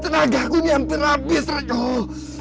tenagaku ini hampir habis rajong